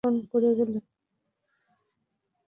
আমাকে কার হাতে সমর্পণ করে গেলে?